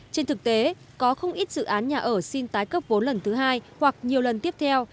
trên thực tế có không ít dự án nhà ở xin tái cấp vốn lần thứ hai hoặc nhiều lần tiếp theo